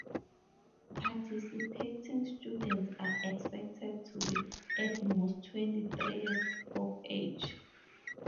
Participating students are expected to be at most twenty three years of age.